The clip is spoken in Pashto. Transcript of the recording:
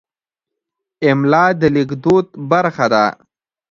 املا د لیکدود برخه ده.